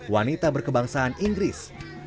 wanita berkebangsaan inggris